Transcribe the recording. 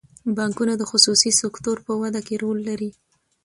بانکونه د خصوصي سکتور په وده کې رول لري.